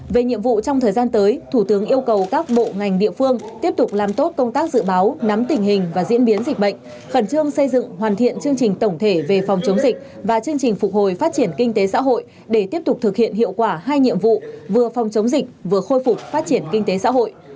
về nhiệm vụ trong thời gian tới thủ tướng yêu cầu các bộ ngành địa phương tiếp tục làm tốt công tác dự báo nắm tình hình và diễn biến dịch bệnh khẩn trương xây dựng hoàn thiện chương trình tổng thể về phòng chống dịch và chương trình phục hồi phát triển kinh tế xã hội để tiếp tục thực hiện hiệu quả hai nhiệm vụ vừa phòng chống dịch vừa khôi phục phát triển kinh tế xã hội